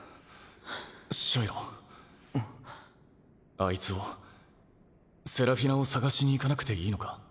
あいつをセラフィナを捜しに行かなくていいのか？